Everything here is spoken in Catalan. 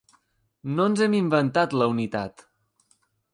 No ens hem inventat la unitat.